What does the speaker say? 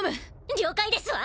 了解ですわ。